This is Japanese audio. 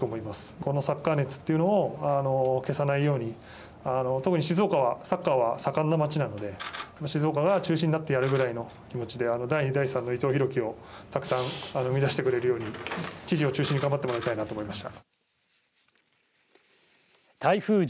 このサッカー熱というのを消さないように特に静岡はサッカーは盛んな街なので静岡が中心になってやるぐらいの気持ちで第２、第３の伊藤洋輝をたくさん生み出してくれるように知事を中心に頑張ってもらいたいなと思いました。